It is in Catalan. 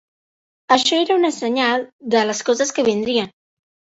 Això era un senyal de les coses que vindrien.